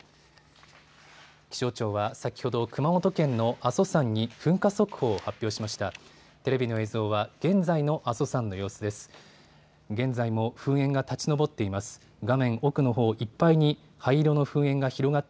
気象庁は先ほど熊本県の阿蘇山に噴火速報を発表しました。